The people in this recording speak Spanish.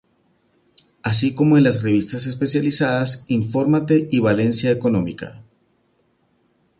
Así como en las revistas especializadas In-formate y Valencia Económica.